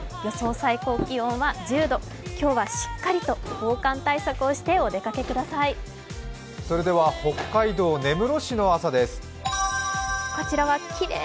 最高気温は１０度、今日はしっかりと防寒対策をしてお出かけください。